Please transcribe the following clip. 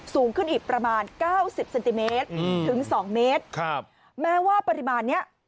สูงขึ้นอีกประมาณเก้าสิบเซนติเมตรถึงสองเมตรครับแม้ว่าปริมาณเนี้ย